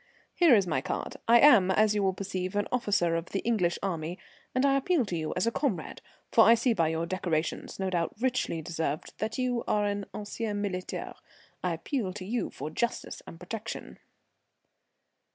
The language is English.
"Here is my card. I am, as you will perceive, an officer of the English army, and I appeal to you as a comrade, for I see by your decorations, no doubt richly deserved, that you are an ancien militaire. I appeal to you for justice and protection."